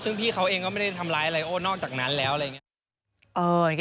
ซึ่งพี่เขาเองก็ไม่ได้ทำร้ายอะไรโอ้นอกจากนั้นแล้วอะไรอย่างนี้